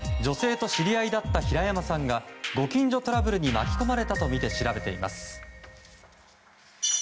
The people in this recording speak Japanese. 警察は、女性と知り合いだった平山さんがご近所トラブルに巻き込まれたとみて調べています。